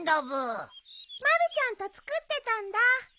まるちゃんと作ってたんだ。